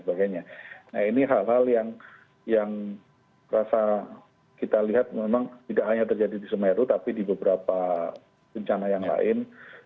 nah ini hal hal yang rasa kita lihat memang tidak hanya terjadi di semeru tapi di beberapa bencana yang lain